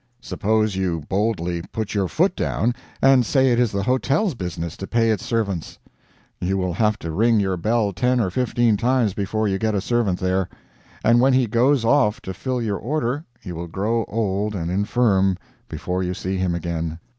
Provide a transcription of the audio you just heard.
Suppose you boldly put your foot down, and say it is the hotel's business to pay its servants? You will have to ring your bell ten or fifteen times before you get a servant there; and when he goes off to fill your order you will grow old and infirm before you see him again.